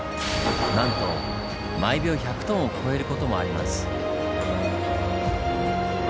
なんと毎秒１００トンを超える事もあります。